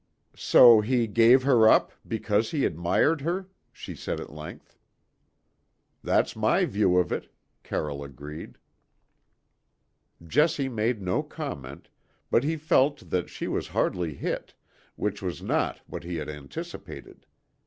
"So he gave her up because he admired her?" she said at length. "That's my view of it," Carroll agreed. Jessie made no comment, but he felt that she was hardly hit, which was not what he had anticipated.